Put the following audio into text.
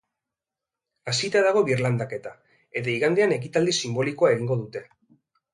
Hasita dago birlandaketa, eta igandean ekitaldi sinbolikoa egingo dute.